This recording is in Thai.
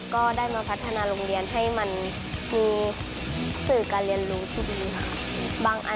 ก็ได้มาพัฒนาโรงเรียนให้มันมีสื่อการเรียนรู้ที่ดีค่ะ